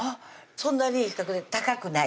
そんなに高くない？